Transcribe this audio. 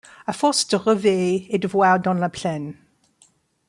À force de rêver et de voir dans la plaine